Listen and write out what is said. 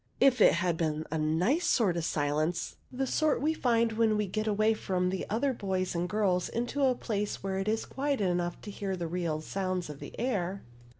If it had been a nice sort of silence, the sort we find when we get away from the other boys and girls into a place where it is quiet enough to hear the real sounds of the air.